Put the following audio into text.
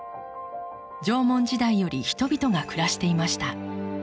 縄文時代より人々が暮らしていました。